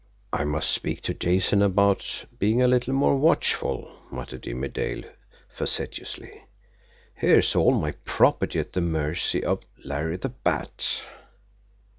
"I must speak to Jason about being a little more watchful," muttered Jimmie Dale facetiously. "Here's all my property at the mercy of Larry the Bat!"